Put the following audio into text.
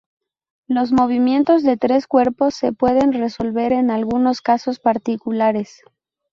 Los movimientos de tres cuerpos se pueden resolver en algunos casos particulares.